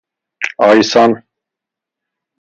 آیسان